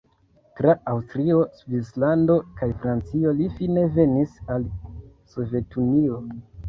Tra Aŭstrio, Svislando kaj Francio li fine venis al Sovetunio.